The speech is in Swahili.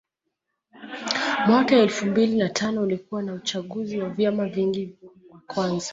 Mwaka elfu mbili na tano ulikuwa na uchaguzi wa vyama vingi wa kwanza